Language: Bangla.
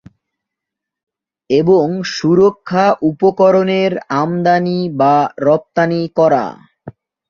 এবং সুরক্ষা উপকরণের আমদানি বা রপ্তানি করা।